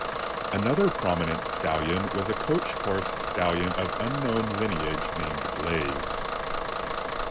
Another prominent stallion was a coach horse stallion of unknown lineage named Blaze.